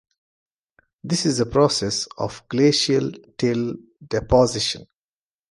This is the process of glacial till deposition.